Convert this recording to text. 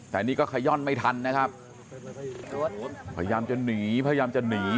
แต่นี่ก็ขย่อนไม่ทันนะครับพยายามจะหนีพยายามจะหนี